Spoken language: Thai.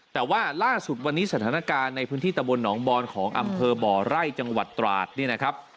แต่ว่าล่าสุดวันนี้สถานการณ์ในพื้นที่ตะบนหนองบอนของอำเภอบ่อไร่จังหวัดตราดเนี่ยนะครับ